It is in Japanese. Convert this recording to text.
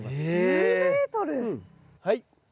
はい。